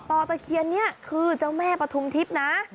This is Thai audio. ตะเคียนนี้คือเจ้าแม่ปฐุมทิพย์นะ